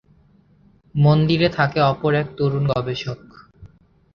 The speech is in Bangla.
মন্দিরে থাকে অপর এক তরুন গবেষক।